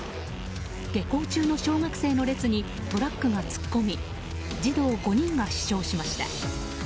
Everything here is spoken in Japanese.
下校中の小学生の列にトラックが突っ込み児童５人が死傷しました。